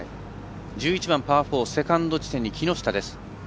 １１番パー４セカンド地点に木下です。